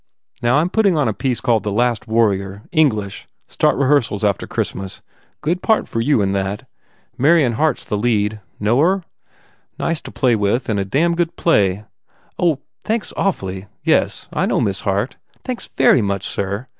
Now, I m putting on a piece called the Last Warrior. English. Start re hearsals after Christmas. Good part for you in that. Marion Hart s the lead. Know her? Nice to play with and a damned good play." "Oh thanks awfully. Yes, I know Miss Hart. Thanks very much, sir.